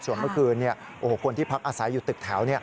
ส่วนเมื่อคืนคนที่พักอาศัยอยู่ตึกแถว